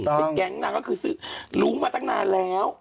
เป็นแก๊งนางก็คือซื้อรู้มาตั้งนานแล้ว